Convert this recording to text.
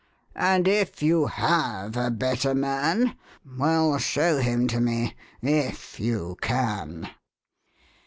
And if you have a better man, Well, show him to me, // you can.